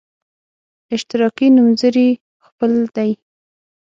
اشتراکي نومځري خپل دی.